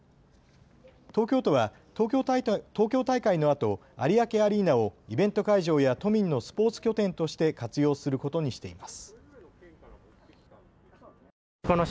東京都は東京大会のあと有明アリーナをイベント会場や都民のスポーツ拠点として活用することにしています。